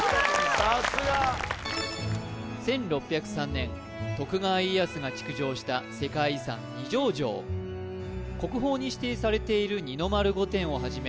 さすが１６０３年徳川家康が築城した世界遺産二条城国宝に指定されている二の丸御殿をはじめ